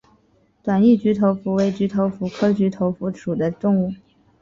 短翼菊头蝠为菊头蝠科菊头蝠属的动物。